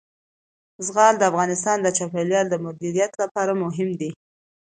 زغال د افغانستان د چاپیریال د مدیریت لپاره مهم دي.